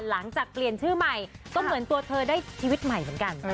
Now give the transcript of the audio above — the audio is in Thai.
หลังจากเปลี่ยนชื่อใหม่ก็เหมือนตัวเธอได้ชีวิตใหม่เหมือนกัน